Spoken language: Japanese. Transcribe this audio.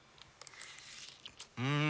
うん！